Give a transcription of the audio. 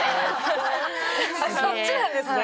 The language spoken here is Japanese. そっちなんですね。